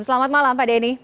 selamat malam pak denny